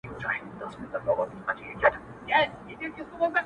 اوس چي د مځكي كرې اور اخيستـــــى ـ